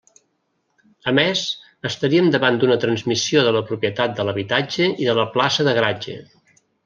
A més estaríem davant d'una transmissió de la propietat de l'habitatge i de la plaça de garatge.